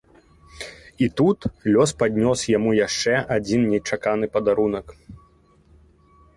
І тут лёс паднёс яму яшчэ адзін нечаканы падарунак.